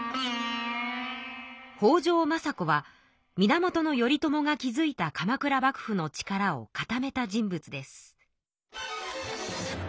北条政子は源頼朝が築いた鎌倉幕府の力を固めた人物です。